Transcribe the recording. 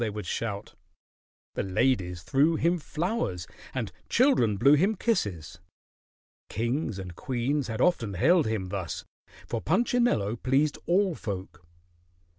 they would shout. The ladies threw him flowers and children blew him kisses. Kings and queens had often hailed him thus, for Punchinello pleased all folk.